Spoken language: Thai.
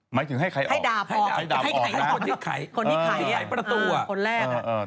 หมายถึงให้ใครออกให้ดาบออกนะคนที่ไขประตูอ่ะคนแรกอ่ะ